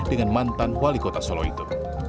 dengan mantan wali kota solo itu